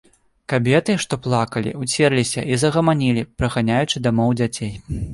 Кабеты, што плакалі, уцерліся і загаманілі, праганяючы дамоў дзяцей.